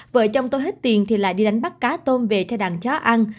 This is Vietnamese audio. vợ chồng tôi hết tiền thì lại đi đánh bắt cá tôm về cho đàn chó ăn